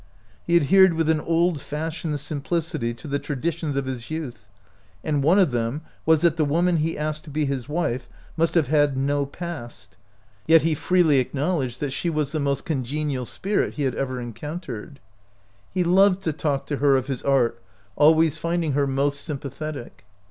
He adhered with an old fashioned simplicity to the traditions of his youth, and one of them was that the woman he asked to be his wife must have had no past. Yet he freely acknowledged that she was the 69 OUT OF BOHEMIA most congenial spirit he had ever encoun tered. He loved to talk to her of his art, always finding her most sympathetic.